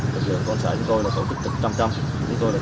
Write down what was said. tổ chức trận trăm trăm